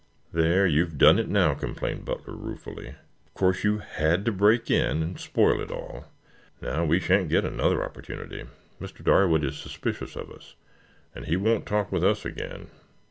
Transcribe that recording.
"There, you've done it now," complained Butler ruefully. "Of course you had to break in and spoil it all. Now we shan't get another opportunity. Mr. Darwood is suspicious of us, and he won't talk with us again.